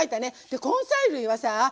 で根菜類はさあ